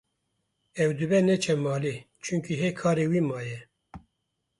Ew dibe neçe malê çunkî hê karê wî maye